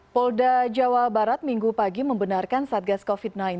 polda jawa barat minggu pagi membenarkan satgas covid sembilan belas